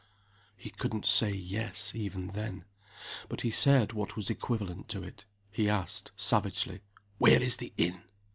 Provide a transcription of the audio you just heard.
He couldn't say "Yes," even then. But he said what was equivalent to it. He asked, savagely, "Where is the inn?"